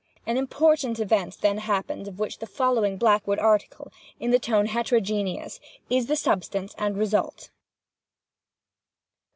An important event then happened of which the following Blackwood article, in the tone heterogeneous, is the substance and result.